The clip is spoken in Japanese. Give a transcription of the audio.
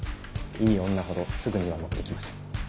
いい女ほどすぐには乗って来ません。